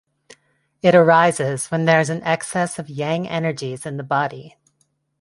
It arises when there is an excess of Yang energies in the body.